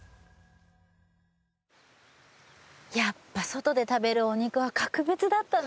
やっぱ外で食べるお肉は格別だったね